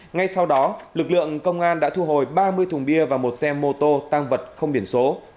ngay sau đó lực lượng công an đã thu hồi ba mươi thùng bia và một xe mô tô tăng vật không biển số